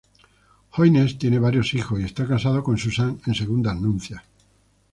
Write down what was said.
Hoynes tiene varios hijos y está casado con Suzanne en segundas nupcias.